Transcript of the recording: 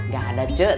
gak ada cuk